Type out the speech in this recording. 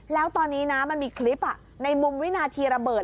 แล้วตอนนี้นะมันมีคลิปในมุมวินาทีระเบิด